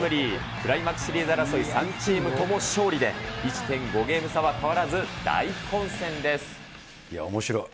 クライマックスシリーズ争い３チームとも勝利で、１．５ゲーム差いや、おもしろい。